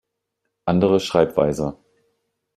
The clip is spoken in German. Andere Schreibweise